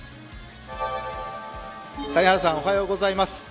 谷原さんおはようございます。